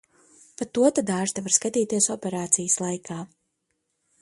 Pa to tad ārste var skatīties operācijas laikā.